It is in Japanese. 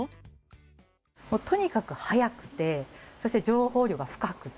とにかく早くてそして情報量が深くて。